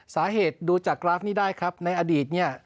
สาเหตุดูจากกราฟนี้ได้ครับในอดีตเนี่ย